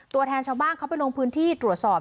ตัวแทนชาวบ้านเขาไปลงพื้นที่ตรวจสอบ